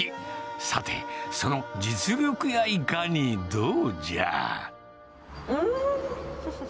さて、その実力やいかに、どうじゃ？